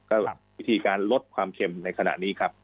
ก็วิธีการลดความเค็มในขณะนี้ครับ